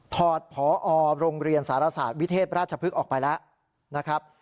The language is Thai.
ถอดพอโรงเรียนสารศาสตร์วิเทพราชพฤกษ์ออกไปแล้วนะครับ